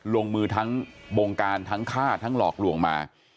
ลงมือทั้งบงการทั้งฆ่าทั้งหลอกลวงมา